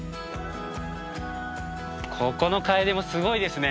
ここのカエデもすごいですね。